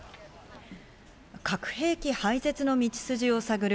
核兵器廃絶の道筋を探る